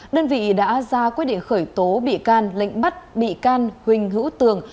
đơn vị đã ra quyết định khởi tố bị can lệnh bắt bị can huỳnh hữu tường